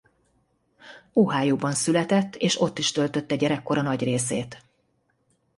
Ohióban született és ott is töltötte gyerekkora nagy részét.